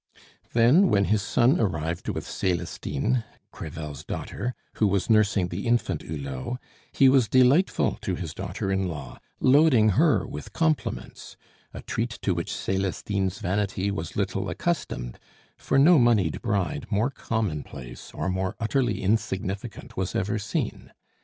Then, when his son arrived with Celestine, Crevel's daughter, who was nursing the infant Hulot, he was delightful to his daughter in law, loading her with compliments a treat to which Celestine's vanity was little accustomed for no moneyed bride more commonplace or more utterly insignificant was ever seen.